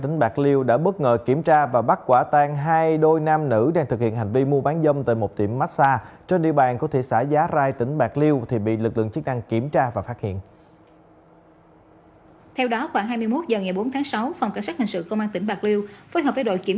hãy đăng ký kênh để ủng hộ kênh của mình nhé